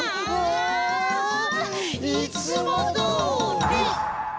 あいつもどおり！